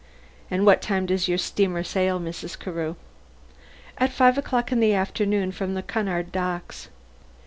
"What time does your steamer sail, Mrs. Carew?" "At five o'clock in the afternoon, from the Cunard docks."